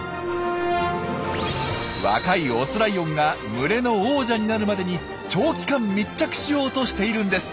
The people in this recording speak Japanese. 若いオスライオンが群れの王者になるまでに長期間密着しようとしているんです。